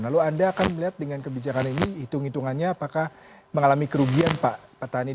lalu anda akan melihat dengan kebijakan ini hitung hitungannya apakah mengalami kerugian pak petani